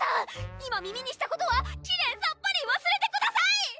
今耳にしたことはきれいさっぱりわすれてください